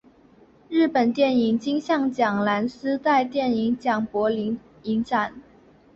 日本电影金像奖蓝丝带电影奖柏林影展